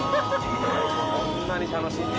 こんなに楽しんで。